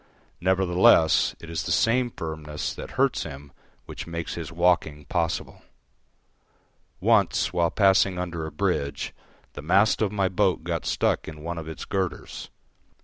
Nevertheless it is the same firmness that hurts him which makes his walking possible. Once, while passing under a bridge, the mast of my boat got stuck in one of its girders.